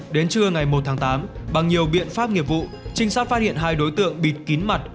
đến trưa ngày một tháng tám bằng nhiều biện pháp nghiệp vụ trinh sát phát hiện hai đối tượng bịt kín mặt